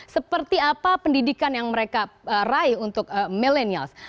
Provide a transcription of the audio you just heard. seperti apa pendidikan yang mereka raih untuk millennials